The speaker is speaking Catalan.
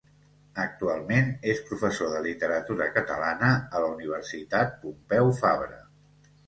Actualment és professor de literatura catalana a la Universitat Pompeu Fabra.